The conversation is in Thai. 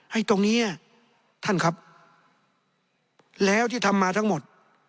ตรงนี้ท่านครับแล้วที่ทำมาทั้งหมด